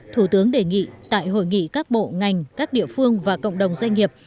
thủ tướng đề nghị tại hội nghị các bộ ngành các địa phương và cộng đồng doanh nghiệp